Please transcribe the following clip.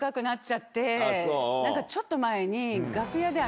ちょっと前に。